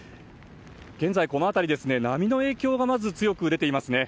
現在、この辺りは波の影響が強く出ています。